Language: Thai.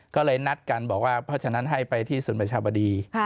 ก็เลยนัดกันบอกว่าเพราะฉะนั้นให้ไปที่ศูนย์ประชาบดี